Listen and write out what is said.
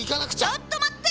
ちょっとまって！